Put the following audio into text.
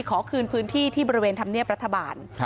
ขอคืนพื้นที่ที่บริเวณธรรมเนียบรัฐบาล